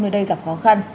nơi đây gặp khó khăn